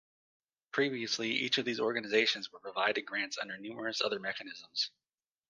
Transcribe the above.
Previously, each of these organizations were provided grants under numerous other mechanisms.